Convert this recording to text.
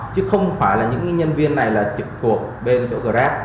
chứ không phải là những nhân viên này là trực thuộc bên chỗ grab